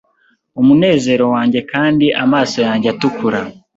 umunezero wanjye kandi amaso yanjye atukura